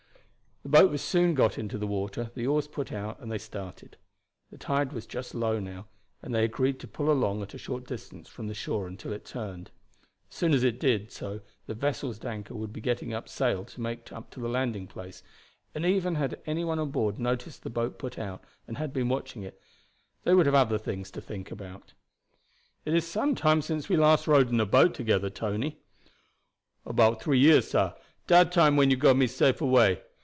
The boat was soon got into the water, the oars put out, and they started. The tide was just low now, and they agreed to pull along at a short distance from the shore until it turned. As soon as it did so the vessels at anchor would be getting up sail to make up to the landing place, and even had any one on board noticed the boat put out, and had been watching it, they would have other things to think about. "It is some time since we last rowed in a boat together, Tony." "About three years, sah; dat time when you got me safe away.